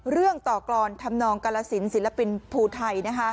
เรื่องต่อกรอนธรรมนองกาลสินศิลปินภูไทย